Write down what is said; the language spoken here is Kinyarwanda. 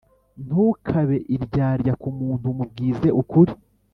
ntukabe iryarya ku muntu mubwize ukuri